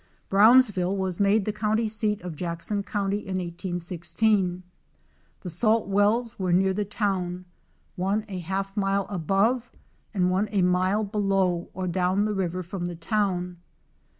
Brownsville was made the county seat of Jackson county in 1816. The salt wells were near the town, one a half mile above, and one a mile below or down the river from the town.